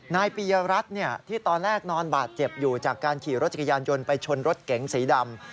ปียรัฐที่ตอนแรกนอนบาดเจ็บอยู่จากการขี่รถจักรยานยนต์ไปชนรถเก๋งสีดำ